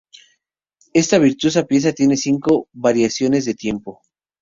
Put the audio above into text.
Esta virtuosa pieza tiene cinco variaciones de tempo.